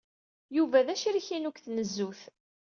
Yuba d acrik-inu deg tnezzut.